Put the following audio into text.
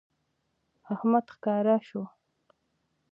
احمد ښکاره شو